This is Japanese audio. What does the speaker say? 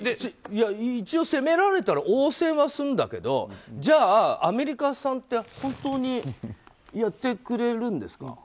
一応、攻められたら応戦はするんだけどじゃあ、アメリカさんって本当にやってくれるんですか？